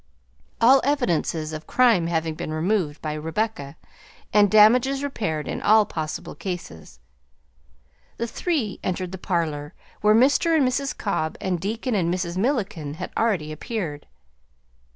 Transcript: All evidences of crime having been removed by Rebecca, and damages repaired in all possible cases, the three entered the parlor, where Mr. and Mrs. Cobb and Deacon and Mrs. Milliken had already appeared.